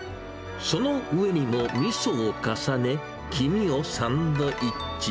その上にもみそを重ね、黄身をサンドイッチ。